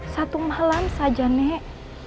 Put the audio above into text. satu malam saja nek